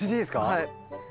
はい。